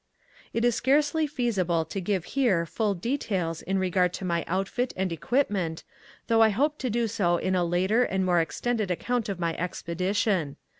It is scarcely feasible to give here full details in regard to my outfit and equipment, though I hope to do so in a later and more extended account of my expedition.